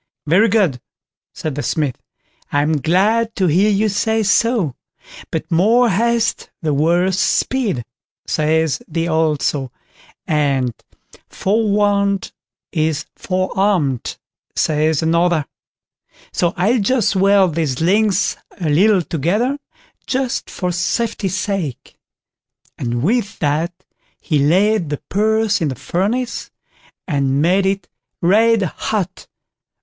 "Very good", said the Smith; "I'm glad to hear you say so, but 'more haste the worse speed', says the old saw, and 'forewarned is forearmed', says another; so I'll just weld these links a little together, just for safety's sake"; and with that he laid the purse in the furnace, and made it red hot.